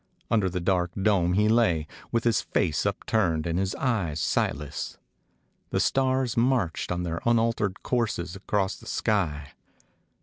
Under the dark dome he lay, with his face upturned and his eyes sightless. The stars marched on their unaltered courses across the sky.